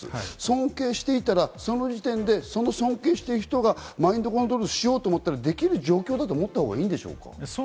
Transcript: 尊敬していたら、その人がマインドコントロールしようと思ったらできる状況だと思ったほうがいいんでしょうか？